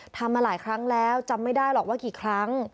ทำมาหลายครั้งแล้วจำไม่ได้หรอกว่ากี่ครั้ง